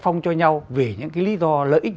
phong cho nhau vì những cái lý do lợi ích